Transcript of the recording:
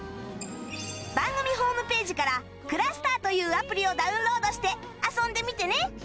番組ホームページから ｃｌｕｓｔｅｒ というアプリをダウンロードして遊んでみてね！